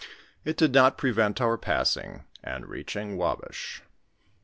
It did not prevent our passing and reaching SabBkigU.